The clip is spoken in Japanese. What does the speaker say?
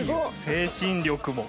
精神力も。